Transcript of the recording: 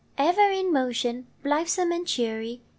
Ever in motion, Blithesome and cheery.